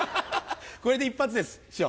これで一発です師匠。